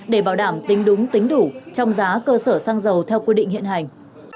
để bảo đảm tính đúng tính đủ trong giá cơ sở xăng dầu theo quy định hiện hành